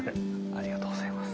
ありがとうございます。